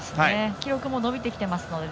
記録も伸びてきてますので。